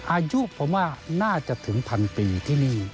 อายุผมว่าน่าจะถึงพันปีที่นี่